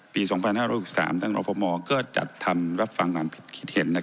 ปี๒๕๖๓ทางรอฟอร์มอร์ก็จัดทำรับฟังความผิดเห็น